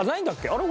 あれ？